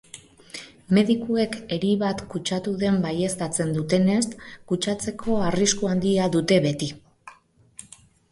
Medikuek eri bat kutsatu den baieztatzen dutenez, kutsatzeko arrisku handia dute beti.